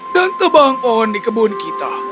dan tebang pohon di kebun kita